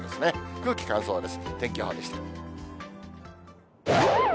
空気乾燥です。